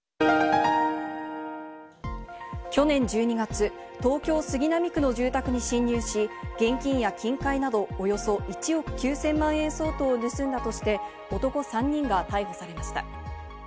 去年１２月、東京・杉並区の住宅に侵入し、現金や金塊など、およそ１億９０００万円相当を盗んだとして、男３人が逮捕されました。